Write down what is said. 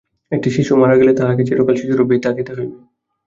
একটি শিশু মারা গেলে তাহাকে চিরকাল শিশুরূপেই থাকিতে হইবে।